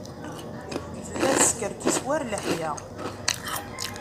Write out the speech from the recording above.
Tella teskerkis war leḥya.